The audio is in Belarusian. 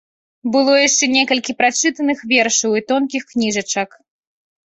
Было яшчэ некалькі прачытаных вершаў і тонкіх кніжачак.